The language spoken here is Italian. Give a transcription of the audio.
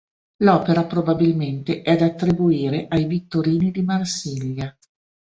L'opera, probabilmente, è da attribuire ai Vittorini di Marsiglia.